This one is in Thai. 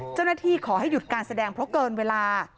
เจ้าหน้าที่ขอให้หยุดการแสดงเพราะเกินเวลา